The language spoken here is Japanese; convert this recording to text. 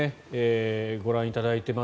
ご覧いただいています。